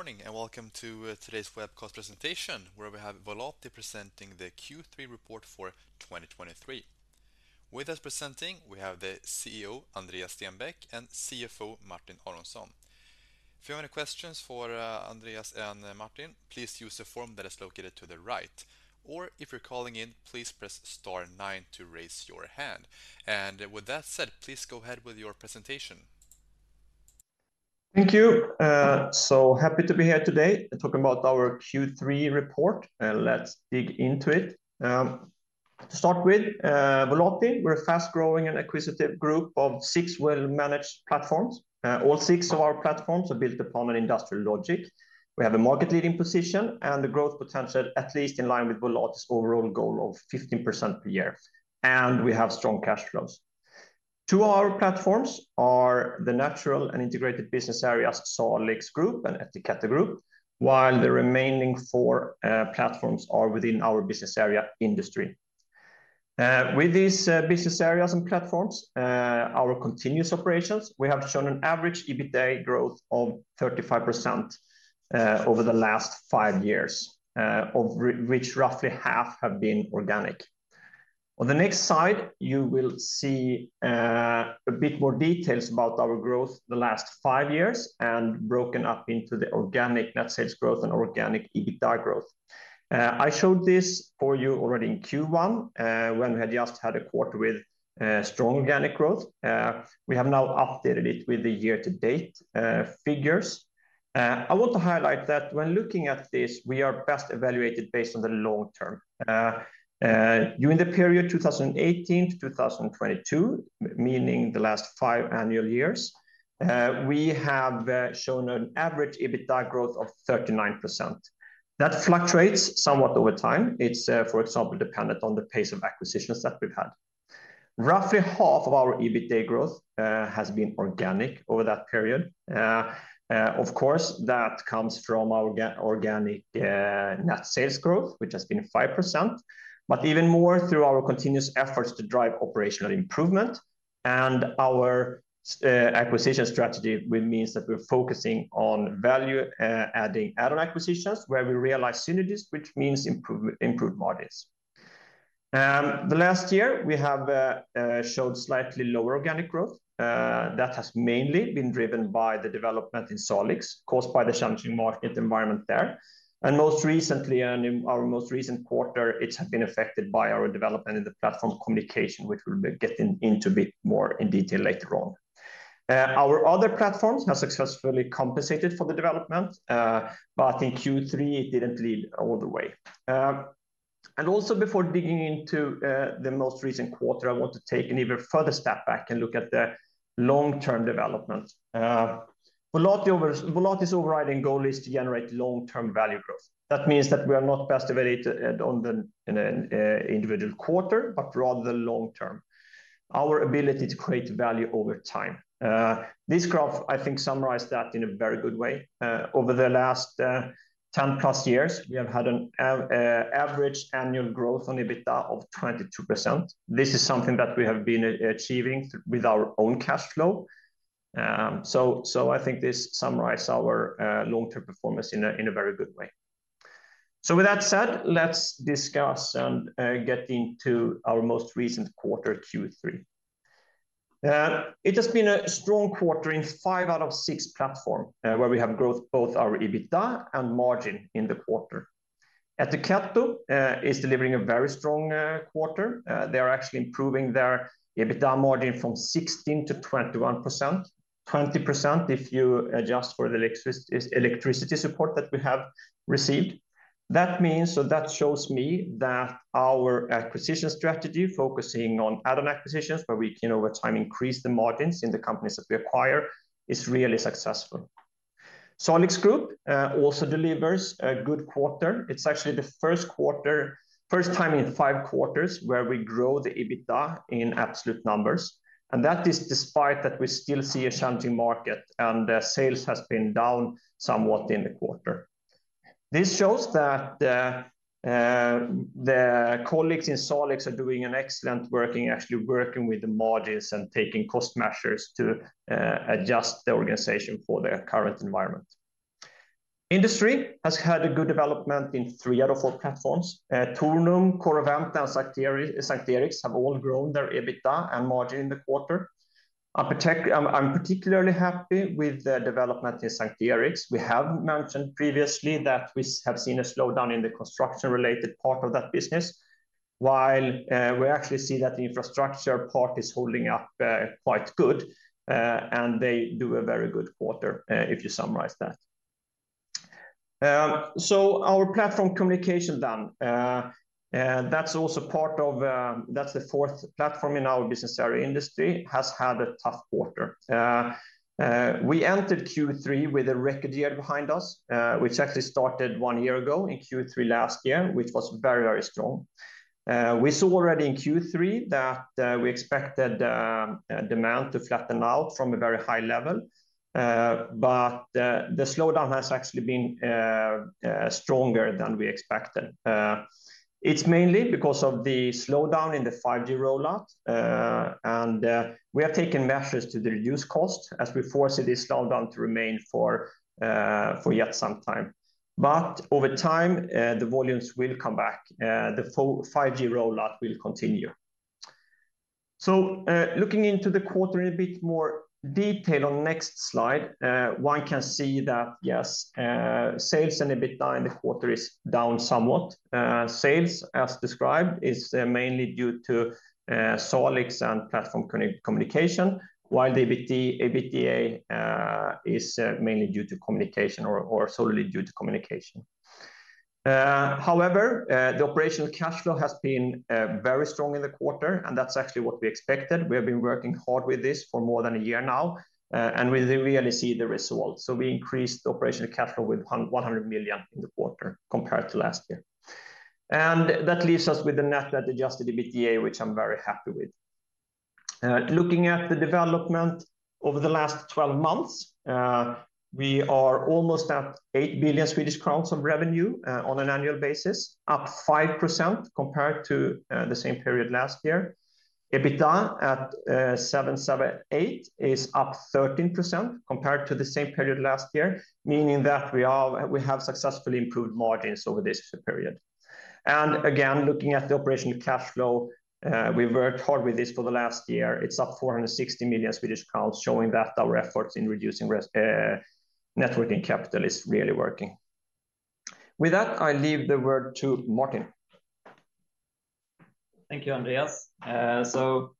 Good morning, and welcome to today's webcast presentation, where we have Volati presenting the Q3 report for 2023. With us presenting, we have the CEO, Andreas Stenbäck, and CFO, Martin Aronsson. If you have any questions for Andreas and Martin, please use the form that is located to the right, or if you're calling in, please press star nine to raise your hand. And with that said, please go ahead with your presentation. Thank you. So happy to be here today and talk about our Q3 report, and let's dig into it. To start with, Volati, we're a fast-growing and acquisitive group of six well-managed platforms. All six of our platforms are built upon an industrial logic. We have a market-leading position and the growth potential, at least in line with Volati's overall goal of 15% per year, and we have strong cash flows. Two of our platforms are the natural and integrated business areas, Salix Group and Ettiketto Group, while the remaining four platforms are within our business area Industry. With these business areas and platforms, our continuous operations, we have shown an average EBITDA growth of 35%, over the last five years, which roughly half have been organic. On the next slide, you will see a bit more details about our growth the last five years and broken up into the organic net sales growth and organic EBITDA growth. I showed this for you already in Q1, when we had just had a quarter with strong organic growth. We have now updated it with the year-to-date figures. I want to highlight that when looking at this, we are best evaluated based on the long term. During the period 2018 to 2022, meaning the last five annual years, we have shown an average EBITDA growth of 39%. That fluctuates somewhat over time. It's, for example, dependent on the pace of acquisitions that we've had. Roughly half of our EBITDA growth has been organic over that period. Of course, that comes from our organic net sales growth, which has been 5%, but even more through our continuous efforts to drive operational improvement and our acquisition strategy, which means that we're focusing on value-adding add-on acquisitions, where we realize synergies, which means improved margins. The last year, we showed slightly lower organic growth, that has mainly been driven by the development in Salix, caused by the changing market environment there. Most recently, in our most recent quarter, it's have been affected by our development in the platform Communication, which we'll be getting into a bit more in detail later on. Our other platforms have successfully compensated for the development, but in Q3, it didn't lead all the way. And also before digging into the most recent quarter, I want to take an even further step back and look at the long-term development. Volati's overriding goal is to generate long-term value growth. That means that we are not best evaluated at, on the, in an individual quarter, but rather long term. Our ability to create value over time. This graph, I think, summarized that in a very good way. Over the last 10+ years, we have had an average annual growth on EBITDA of 22%. This is something that we have been achieving with our own cash flow. So I think this summarize our long-term performance in a very good way. So with that said, let's discuss and get into our most recent quarter, Q3. It has been a strong quarter in five out of six platforms, where we have growth both in our EBITDA and margin in the quarter. Ettiketto is delivering a very strong quarter. They are actually improving their EBITDA margin from 16% to 21%. 20%, if you adjust for the electricity support that we have received. That means, so that shows me that our acquisition strategy, focusing on add-on acquisitions, where we can, over time, increase the margins in the companies that we acquire, is really successful. Salix Group also delivers a good quarter. It's actually the first quarter, first time in five quarters, where we grow the EBITDA in absolute numbers, and that is despite that we still see a challenging market, and the sales has been down somewhat in the quarter. This shows that, the colleagues in Salix are doing an excellent working, actually working with the margins and taking cost measures to, adjust the organization for their current environment. Industry has had a good development in three out of four platforms. Tornum, Corroventa, and S:t Eriks have all grown their EBITDA and margin in the quarter. I'm particularly happy with the development in S:t Eriks. We have mentioned previously that we have seen a slowdown in the construction-related part of that business, while, we actually see that the infrastructure part is holding up, quite good, and they do a very good quarter, if you summarize that. So our Communication platform then, that's also part of, that's the fourth platform in our business area. Industry has had a tough quarter. We entered Q3 with a record year behind us, which actually started one year ago in Q3 last year, which was very, very strong. We saw already in Q3 that we expected demand to flatten out from a very high level, but the slowdown has actually been stronger than we expected. It's mainly because of the slowdown in the 5G rollout, and we have taken measures to reduce cost as we foresee this slowdown to remain for yet some time. But over time, the volumes will come back. The 5G rollout will continue. So, looking into the quarter in a bit more detail on next slide, one can see that, yes, sales and EBITDA in the quarter is down somewhat. Sales, as described, is mainly due to Salix and Platform Communication, while the EBITDA is mainly due to Communication or solely due to Communication. However, the operational cash flow has been very strong in the quarter, and that's actually what we expected. We have been working hard with this for more than a year now, and we really see the results. So we increased the operational cash flow with 100 million in the quarter compared to last year. And that leaves us with the net debt Adjusted EBITDA, which I'm very happy with. Looking at the development over the last 12 months, we are almost at 8 billion Swedish crowns of revenue, on an annual basis, up 5% compared to the same period last year. EBITDA at 778 is up 13% compared to the same period last year, meaning that we have successfully improved margins over this period. Again, looking at the operational cash flow, we've worked hard with this for the last year. It's up 460 million, showing that our efforts in reducing net working capital is really working. With that, I leave the word to Martin. Thank you, Andreas. So,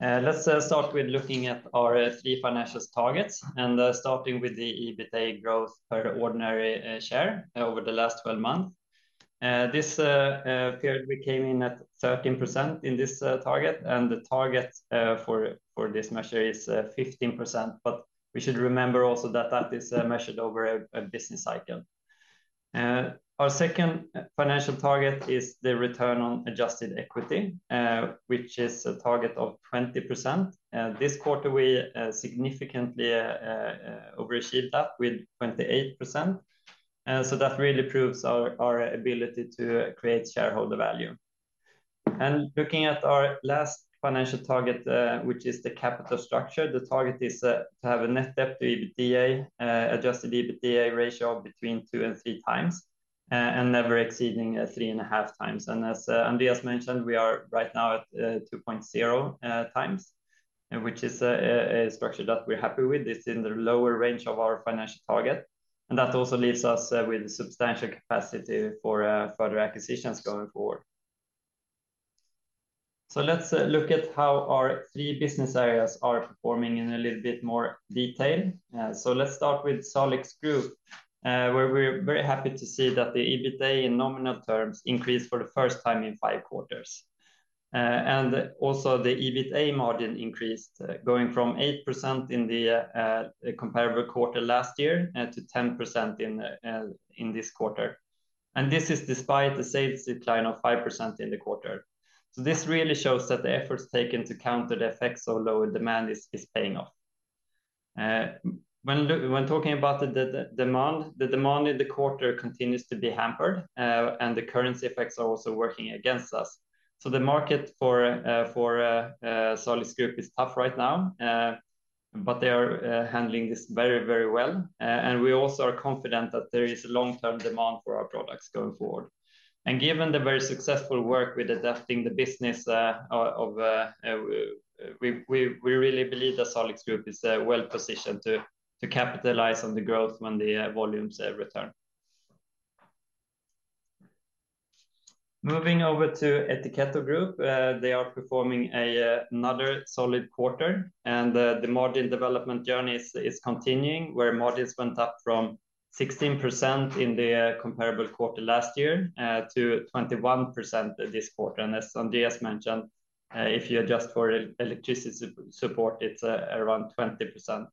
let's start with looking at our three financial targets, and starting with the EBITDA growth per ordinary share over the last 12 months. This period, we came in at 13% in this target, and the target for this measure is 15%. But we should remember also that that is measured over a business cycle. Our second financial target is the return on adjusted equity, which is a target of 20%. This quarter, we significantly overachieved that with 28%. So that really proves our ability to create shareholder value. Looking at our last financial target, which is the capital structure, the target is to have a net debt to Adjusted EBITDA ratio of between 2x and 3x, and never exceeding 3.5x. As Andreas mentioned, we are right now at 2.0x, which is a structure that we're happy with. It's in the lower range of our financial target, and that also leaves us with substantial capacity for further acquisitions going forward. So let's look at how our three business areas are performing in a little bit more detail. So let's start with Salix Group, where we're very happy to see that the EBITDA in nominal terms increased for the first time in 5 quarters. And also the EBITDA margin increased, going from 8% in the comparable quarter last year to 10% in this quarter. And this is despite the sales decline of 5% in the quarter. So this really shows that the efforts taken to counter the effects of lower demand is paying off. When talking about the demand, the demand in the quarter continues to be hampered, and the currency effects are also working against us. So the market for Salix Group is tough right now, but they are handling this very, very well. And we also are confident that there is a long-term demand for our products going forward. Given the very successful work with adapting the business, we really believe that Salix Group is well positioned to capitalize on the growth when the volumes return. Moving over to Ettiketto Group, they are performing another solid quarter, and the margin development journey is continuing, where margins went up from 16% in the comparable quarter last year to 21% this quarter. And as Andreas mentioned, if you adjust for electricity support, it's around 20%.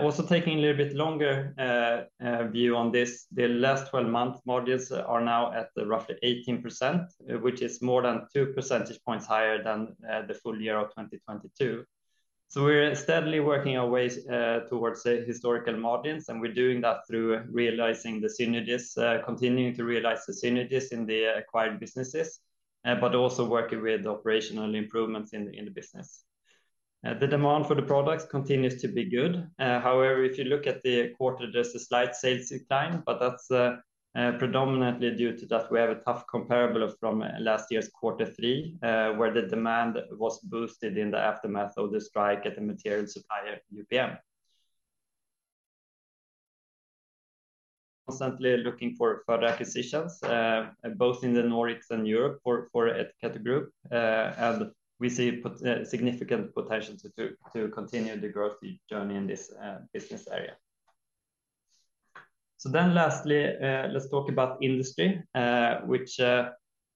Also taking a little bit longer view on this, the last 12-month margins are now at roughly 18%, which is more than 2 percentage points higher than the full year of 2022. So we're steadily working our way towards the historical margins, and we're doing that through realizing the synergies, continuing to realize the synergies in the acquired businesses, but also working with operational improvements in the business. The demand for the products continues to be good. However, if you look at the quarter, there's a slight sales decline, but that's predominantly due to that we have a tough comparable from last year's quarter three, where the demand was boosted in the aftermath of the strike at the material supplier, UPM. Constantly looking for further acquisitions, both in the Nordics and Europe for Ettiketto Group, and we see significant potential to continue the growth journey in this business area. So then lastly, let's talk about Industry, which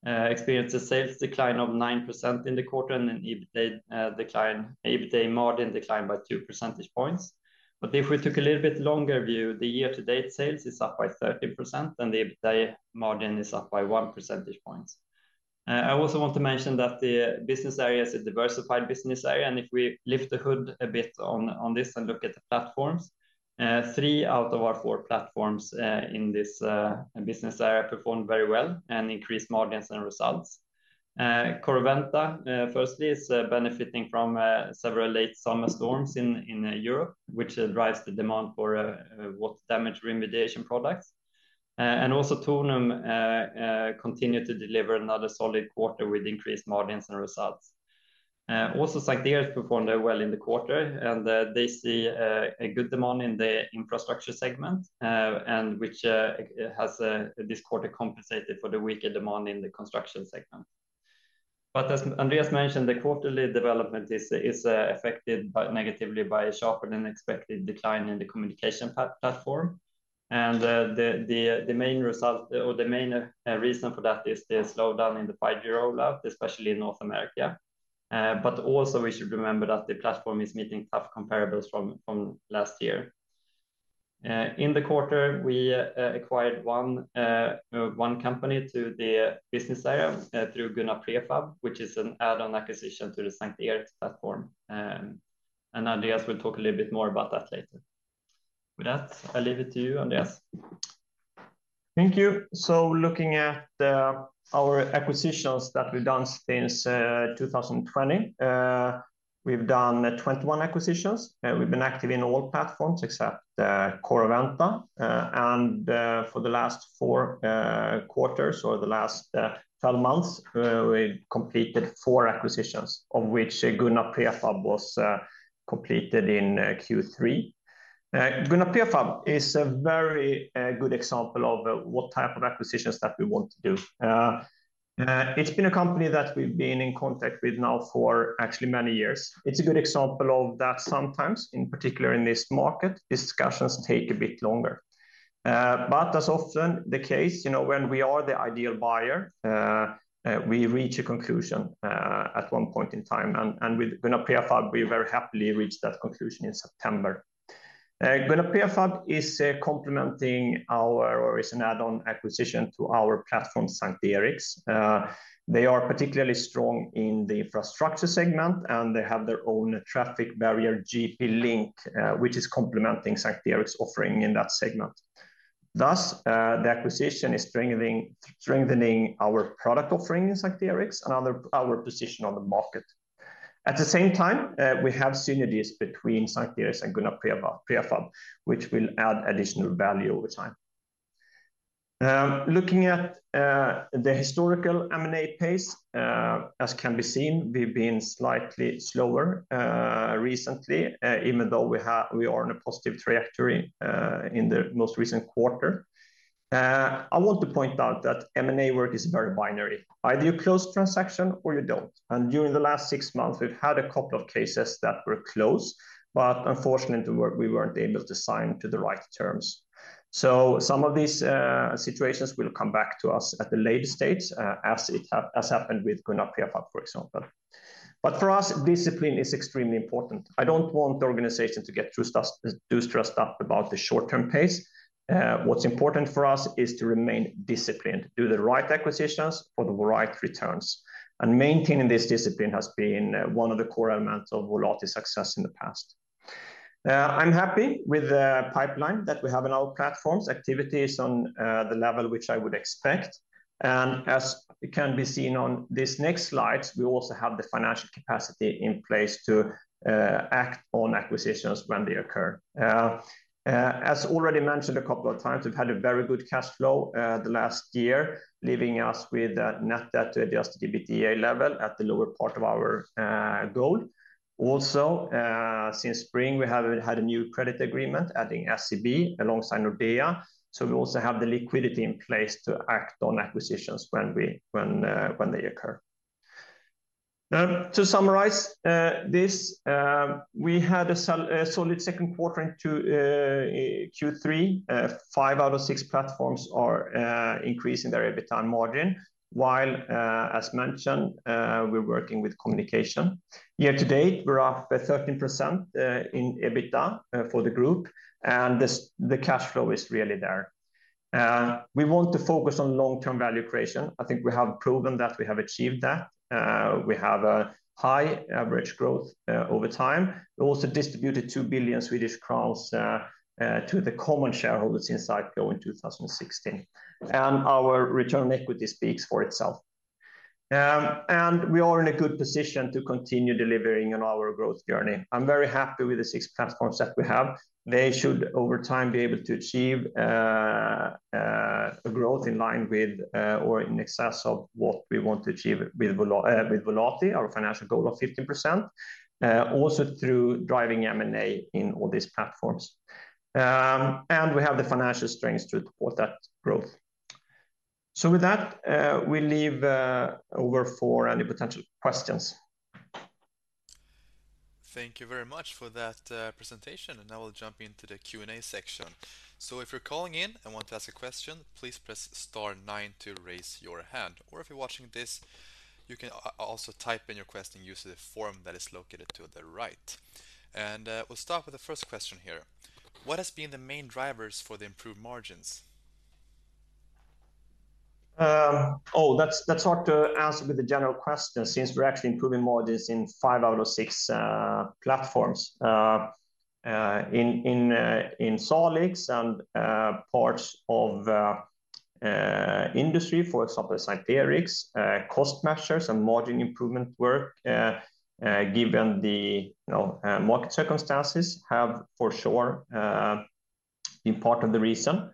experienced a sales decline of 9% in the quarter, and an EBITDA decline, EBITDA margin declined by 2 percentage points. But if we took a little bit longer view, the year-to-date sales is up by 13%, and the EBITDA margin is up by 1 percentage points. I also want to mention that the business area is a diversified business area, and if we lift the hood a bit on this and look at the platforms, three out of our four platforms in this business area performed very well and increased margins and results. Corroventa, firstly, is benefiting from several late summer storms in Europe, which drives the demand for water damage remediation products. And also Tornum continued to deliver another solid quarter with increased margins and results. Also, S:t Eriks performed well in the quarter, and they see a good demand in the infrastructure segment, and which has this quarter compensated for the weaker demand in the construction segment. But as Andreas mentioned, the quarterly development is affected negatively by a sharper-than-expected decline in the Communication platform. And the main result or the main reason for that is the slowdown in the 5G rollout, especially in North America. But also we should remember that the platform is meeting tough comparables from last year. In the quarter, we acquired one company to the business area through Gunnar Prefab, which is an add-on acquisition to the S:t Eriks platform. Andreas will talk a little bit more about that later. With that, I leave it to you, Andreas. Thank you. So looking at our acquisitions that we've done since 2020, we've done 21 acquisitions, and we've been active in all platforms except Corroventa. For the last four quarters or the last 12 months, we've completed four acquisitions, of which Gunnar Prefab was completed in Q3. Gunnar Prefab is a very good example of what type of acquisitions that we want to do. It's been a company that we've been in contact with now for actually many years. It's a good example of that sometimes, in particular in this market, discussions take a bit longer. But as often the case, you know, when we are the ideal buyer, we reach a conclusion at one point in time, and with Gunnar Prefab, we very happily reached that conclusion in September. Gunnar Prefab is complementing our, or is an add-on acquisition to our platform, S:t Eriks. They are particularly strong in the infrastructure segment, and they have their own traffic barrier, GP-Link, which is complementing S:t Eriks offering in that segment. Thus, the acquisition is strengthening our product offering in S:t Eriks and other our position on the market. At the same time, we have synergies between S:t Eriks and Gunnar Prefab, which will add additional value over time. Looking at the historical M&A pace, as can be seen, we've been slightly slower recently, even though we are on a positive trajectory in the most recent quarter. I want to point out that M&A work is very binary. Either you close transaction or you don't. And during the last six months, we've had a couple of cases that were closed, but unfortunately, we weren't able to sign to the right terms. So some of these situations will come back to us at the later stage, as happened with Gunnar Prefab, for example. But for us, discipline is extremely important. I don't want the organization to get too stressed, too stressed up about the short-term pace. What's important for us is to remain disciplined, do the right acquisitions for the right returns, and maintaining this discipline has been one of the core elements of Volati success in the past. I'm happy with the pipeline that we have in our platforms, activities on the level which I would expect. And as it can be seen on this next slide, we also have the financial capacity in place to act on acquisitions when they occur. As already mentioned a couple of times, we've had a very good cash flow the last year, leaving us with a net debt to Adjusted EBITDA level at the lower part of our goal. Also, since spring, we have had a new credit agreement, adding SEB alongside Nordea. So we also have the liquidity in place to act on acquisitions when they occur. To summarize, we had a solid second quarter into Q3. Five out of six platforms are increasing their EBITDA margin, while, as mentioned, we're working with Communication. Year to date, we're up 13% in EBITDA for the group, and this, the cash flow is really there. We want to focus on long-term value creation. I think we have proven that we have achieved that. We have a high average growth over time. We also distributed 2 billion Swedish crowns to the common shareholders in the IPO in 2016, and our return on equity speaks for itself. We are in a good position to continue delivering on our growth journey. I'm very happy with the six platforms that we have. They should, over time, be able to achieve a growth in line with, or in excess of what we want to achieve with Volati with Volati, our financial goal of 15%, also through driving M&A in all these platforms. We have the financial strength to support that growth. With that, we leave over for any potential questions. Thank you very much for that presentation, and now we'll jump into the Q and A section. So if you're calling in and want to ask a question, please press star nine to raise your hand. Or if you're watching this, you can also type in your question using the form that is located to the right. And we'll start with the first question here: What has been the main drivers for the improved margins? That's hard to answer with a general question since we're actually improving margins in five out of six platforms. In Salix and parts of Industry, for example, S:t Eriks, cost measures and margin improvement work, given the, you know, market circumstances, have for sure being part of the reason.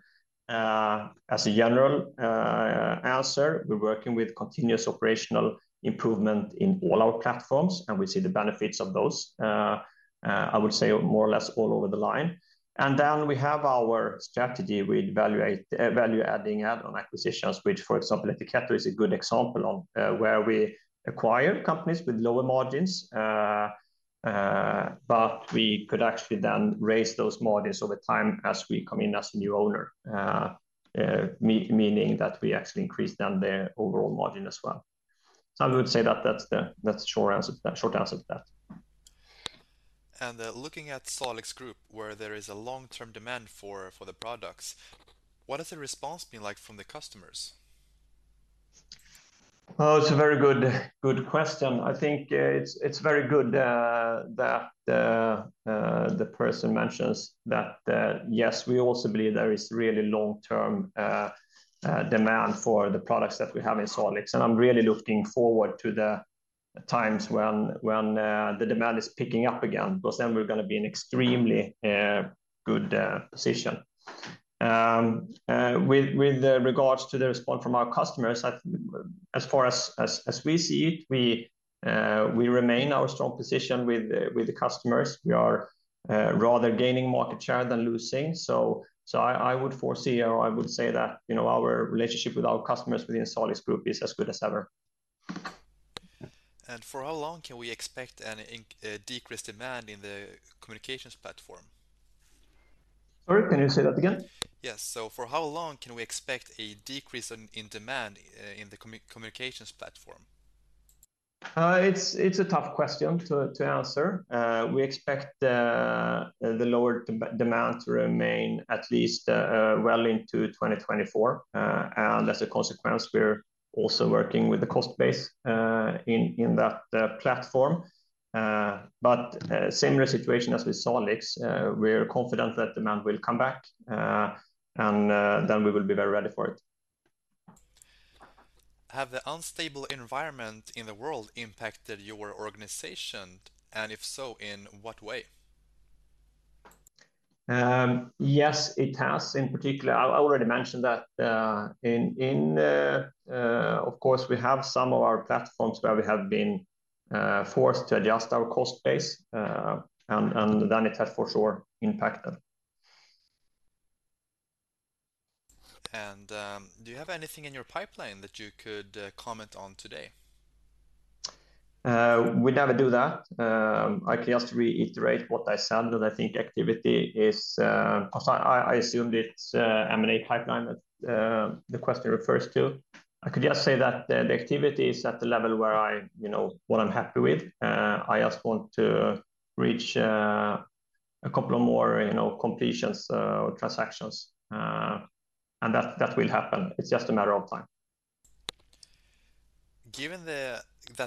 As a general answer, we're working with continuous operational improvement in all our platforms, and we see the benefits of those, I would say more or less all over the line. And then we have our strategy with value-adding add-on acquisitions, which, for example, S:t Eriks is a good example of, where we acquire companies with lower margins. But we could actually then raise those margins over time as we come in as a new owner. Meaning that we actually increase then their overall margin as well. So I would say that that's the, that's the short answer, the short answer to that. Looking at Salix Group, where there is a long-term demand for the products, what has the response been like from the customers? Oh, it's a very good, good question. I think, it's very good that the person mentions that, yes, we also believe there is really long-term demand for the products that we have in Salix. And I'm really looking forward to the times when, when, the demand is picking up again, because then we're going to be in extremely good position. With regards to the response from our customers, I, as far as, as, as we see it, we, we remain our strong position with the, with the customers. We are, rather gaining market share than losing. So, so I, I would foresee, or I would say that, you know, our relationship with our customers within Salix Group is as good as ever. For how long can we expect a decreased demand in the Communication platform? Sorry, can you say that again? Yes. So for how long can we expect a decrease in demand in the Communication platform? It's a tough question to answer. We expect the lower demand to remain at least well into 2024. As a consequence, we're also working with the cost base in that platform. But similar situation as with Salix, we're confident that demand will come back, and then we will be very ready for it. Have the unstable environment in the world impacted your organization? And if so, in what way? Yes, it has. In particular, I already mentioned that, of course, we have some of our platforms where we have been forced to adjust our cost base, and then it has for sure impacted. Do you have anything in your pipeline that you could comment on today? We never do that. I can just reiterate what I said, and I think activity is, because I assumed it's M&A pipeline that the question refers to. I could just say that the activity is at the level where I, you know, what I'm happy with. I just want to reach a couple of more, you know, completions or transactions. And that will happen. It's just a matter of time. Given that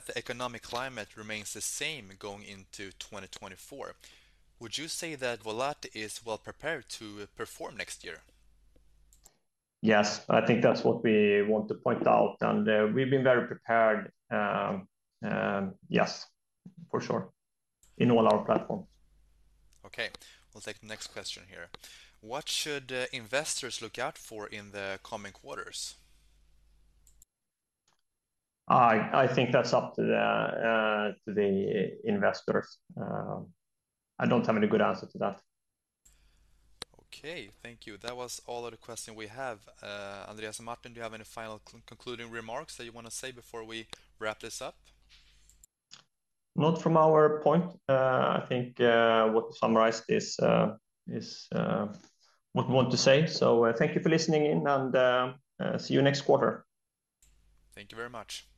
the economic climate remains the same going into 2024, would you say that Volati is well-prepared to perform next year? Yes, I think that's what we want to point out, and we've been very prepared. Yes, for sure, in all our platforms. Okay, we'll take the next question here. What should investors look out for in the coming quarters? I think that's up to the investors. I don't have any good answer to that. Okay, thank you. That was all of the question we have. Andreas and Martin, do you have any final concluding remarks that you want to say before we wrap this up? Not from our point. I think what summarized is what we want to say. So, thank you for listening in, and see you next quarter. Thank you very much.